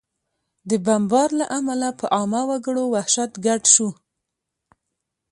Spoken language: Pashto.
د بمبار له امله په عامه وګړو وحشت ګډ شو